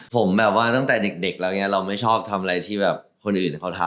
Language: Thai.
ผมแบบว่าตั้งแต่เด็กแล้วอย่างนี้เราไม่ชอบทำอะไรที่แบบคนอื่นเขาทำ